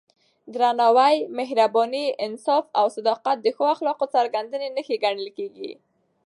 درناوی، مهرباني، انصاف او صداقت د ښو اخلاقو څرګندې نښې ګڼل کېږي.